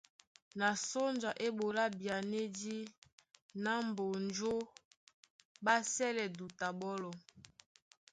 Na sónja é ɓolá byanédí ná Mbonjó ɓá sɛ́lɛ duta ɓɔ́lɔ.